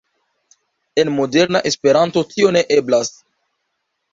En moderna Esperanto tio ne eblas.